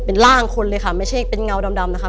เป็นร่างคนเลยค่ะไม่ใช่เป็นเงาดำนะคะ